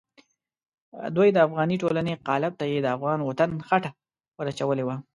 دوی د افغاني ټولنې قالب ته یې د افغان وطن خټه ور اچولې وه.